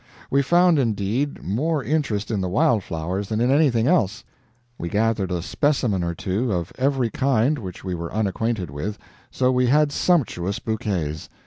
We found, indeed, more interest in the wild flowers than in anything else. We gathered a specimen or two of every kind which we were unacquainted with; so we had sumptuous bouquets.